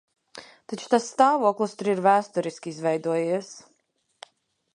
Taču tas stāvoklis tur ir vēsturiski izveidojies.